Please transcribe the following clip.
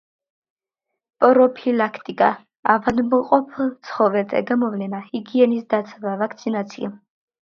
პროფილაქტიკა: ავადმყოფ ცხოველთა გამოვლენა, ჰიგიენის დაცვა, ვაქცინაცია.